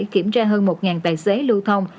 kiểm tra hơn một tài xế lưu thông